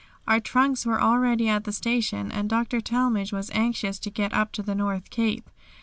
Our trunks were already at the station and Dr. Talmage was anxious to get up to the North Cape.